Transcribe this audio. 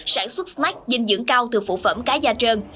sản xuất smart dinh dưỡng cao từ phụ phẩm cá da trơn